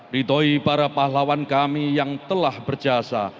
ridhoi para pahlawan kami yang telah berjasa